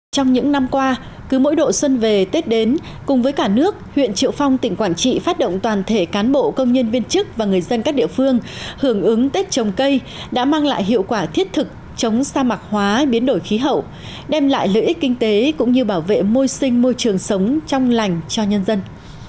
trong những năm qua cứ mỗi độ xuân về tết đến cùng với cả nước huyện triệu phong tỉnh quảng trị phát động toàn thể cán bộ công nhân viên chức và người dân các địa phương hưởng ứng tết trồng cây đã mang lại hiệu quả thiết thực chống sa mạc hóa biến đổi khí hậu đem lại lợi ích kinh tế cũng như bảo vệ môi sinh môi trường sống trong lành cho nhân dân